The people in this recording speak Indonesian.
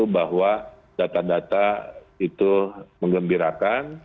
bahwa data data itu mengembirakan